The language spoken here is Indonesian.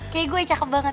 kayak gue cakep banget